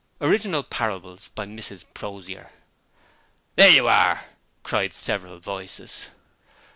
Original Parables. By Mrs Prosier. 'There you are!' cried several voices.